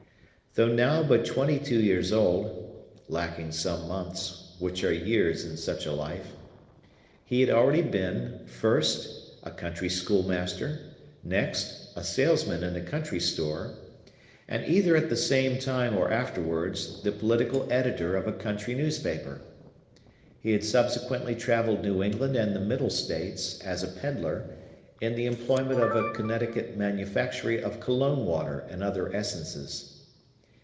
Though now but twenty two years old (lacking some months, which are years in such a life), he had already been, first, a country schoolmaster; next, a salesman in a country store; and, either at the same time or afterwards, the political editor of a country newspaper. He had subsequently travelled New England and the Middle States, as a peddler, in the employment of a Connecticut manufactory of cologne water and other essences.